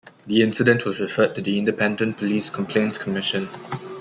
The incident was referred to the Independent Police Complaints Commission.